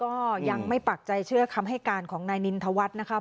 ก็ยังไม่ปักใจเชื่อคำให้การของนายนินทวัฒน์นะคะ